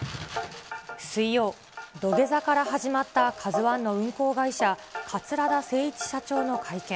水曜、土下座から始まったカズワンの運航会社、桂田精一社長の会見。